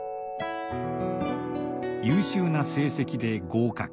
優秀な成績で合格。